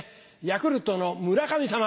ヤクルトの村神様。